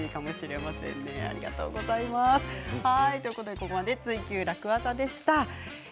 ここまで「ツイＱ楽ワザ」でした。